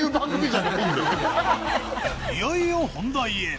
いよいよ本題へ！